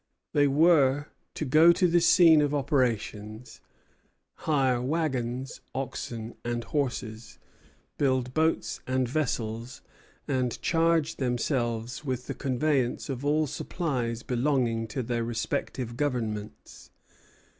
They were to go to the scene of operations, hire wagons, oxen, and horses, build boats and vessels, and charge themselves with the conveyance of all supplies belonging to their respective governments.